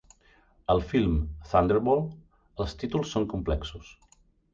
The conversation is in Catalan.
Al film "Thunderball", els títols són complexos.